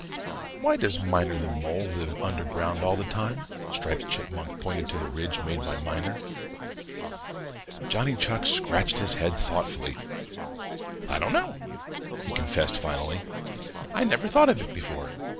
"Why does Miner the Mole live under ground all the time?" Striped Chipmunk pointed to the ridge made by Miner. Johnny Chuck scratched his head thoughtfully. "I don't know," he confessed finally. "I never thought of it before.